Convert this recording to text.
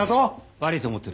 悪いと思ってる。